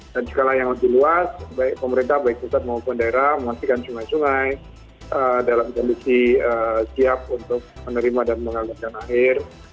dan sekalian yang lebih luas baik pemerintah baik kota maupun daerah menghasilkan sungai sungai dalam jalur siap untuk menerima dan mengalirkan air